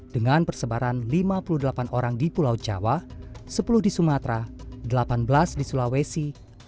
dengan persebaran lima puluh delapan orang di pulau jawa sepuluh di sumatera delapan belas di sulawesi